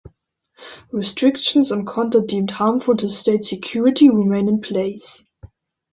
Restrictions on content deemed harmful to state security remain in place.